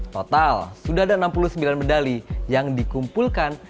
total sudah ada enam puluh sembilan medali yang dikumpulkan